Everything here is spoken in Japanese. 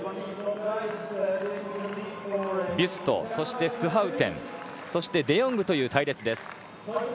ビュスト、スハウテンそしてデヨングという隊列です。